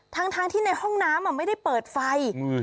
ทั้งที่ในห้องน้ำไม่ได้เปิดไฟ